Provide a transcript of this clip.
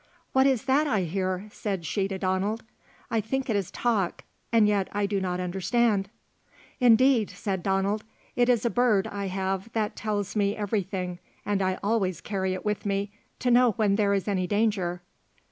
"What is that I hear?" said she to Donald. "I think it is talk, and yet I do not understand." "Indeed," said Donald, "it is a bird I have that tells me everything, and I always carry it with me to know when there is any danger.